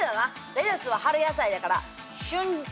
レタスは春野菜だから。